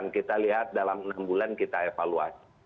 kita lihat dalam enam bulan kita evaluasi